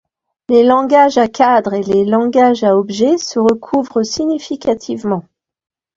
Les langages à cadre et les langages à objet se recouvrent significativement.